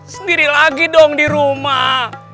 sendiri lagi dong di rumah